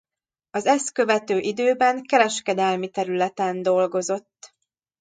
Az ezt követő időben kereskedelmi területen dolgozott.